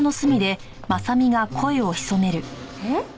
えっ？